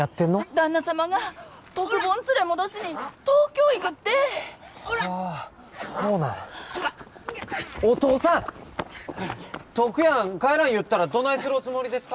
旦那様が篤ぼん連れ戻しに東京行くってはあほうなんお父さん篤やん帰らん言ったらどないするおつもりですか？